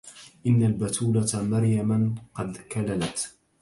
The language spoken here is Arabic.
إن البتولة مريما قد كللت